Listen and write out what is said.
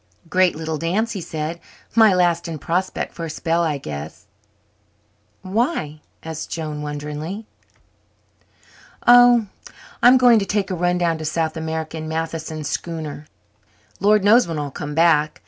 "Great little dance," he said. "My last in Prospect for a spell, I guess." "Why?" asked Joan wonderingly. "Oh, I'm going to take a run down to South America in Matheson's schooner. Lord knows when I'll come back.